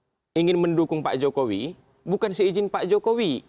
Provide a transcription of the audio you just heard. kalau ada partai baru ingin mendukung pak jokowi bukan seizin pak jokowi